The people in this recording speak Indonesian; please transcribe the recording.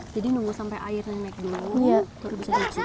jadi nunggu sampai airnya naik dulu terus bisa nyuci